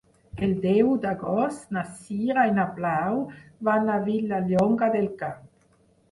El deu d'agost na Sira i na Blau van a Vilallonga del Camp.